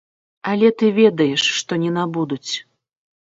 Але ты ведаеш, што не набудуць.